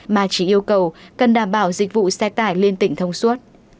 mà chỉ yêu cầu cần đảm bảo dịch vụ xe tải liên tỉnh thông suốt